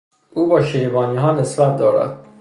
او با شیبانیها نسبت دارد.